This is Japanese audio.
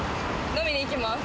飲みに行きます。